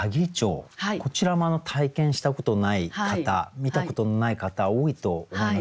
こちらも体験したことない方見たことのない方多いと思います。